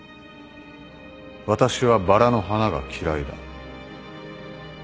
私はバラの花が嫌いだ。